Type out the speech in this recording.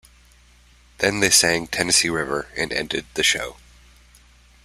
Then they sang Tennessee River and ended the show.